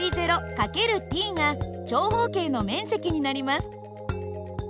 ×ｔが長方形の面積になります。